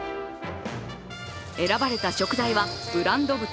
選ばれた食材はブランド豚